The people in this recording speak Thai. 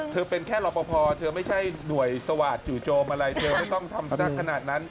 เธอเป็นแค่รอปภเธอไม่ใช่หน่วยสวาสตร์จู่โจมอะไรจะไม่ทำเรื่องคนั่นนั้น